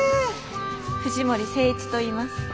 藤森誠一といいます。